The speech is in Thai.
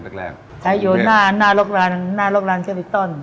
ขายอยู่หน้ารถรางเชียวอีกต้น